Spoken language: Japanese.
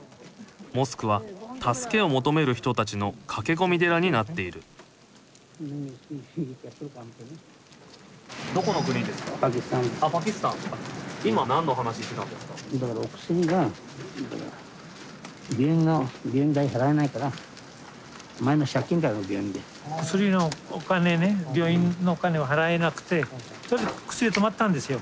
モスクは助けを求める人たちの駆け込み寺になっている薬のお金ね病院のお金を払えなくてそれで薬止まったんですよ